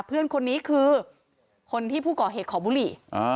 เพื่อนคนนี้คือคนที่ผู้ก่อเหตุขอบุหรี่